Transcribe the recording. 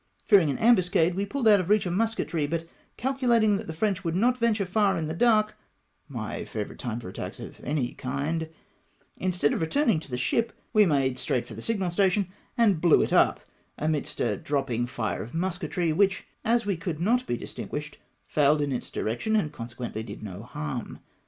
Fearing an ambuscade, we puUed out of reach of musketry, but calculating that the French would not venture far in the dark — my favourite time for attacks of any kind — instead of returning to the ship, we made straight for the signal station, and blew it up amidst a dropping hre of musketry, which, as we could not be distinguished, failed in its direction, and consequently did no harm.